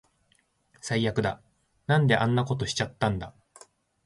最悪だ。なんであんなことしちゃったんだ